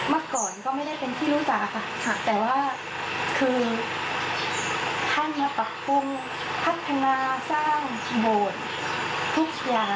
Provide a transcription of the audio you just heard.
แล้วเราคงรู้จักวันนั้นแล้งรักมากนะคะ